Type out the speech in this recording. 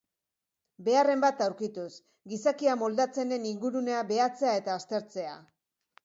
Beharren bat aurkituz, gizakia moldatzen den ingurunea behatzea eta aztertzea.